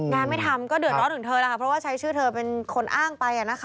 ไม่ทำก็เดือดร้อนถึงเธอแล้วค่ะเพราะว่าใช้ชื่อเธอเป็นคนอ้างไป